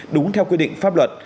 đúng theo quyết định pháp luật